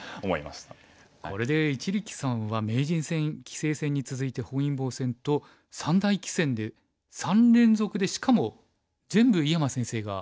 これで一力さんは名人戦棋聖戦に続いて本因坊戦と三大棋戦で３連続でしかも全部井山先生が相手ですか。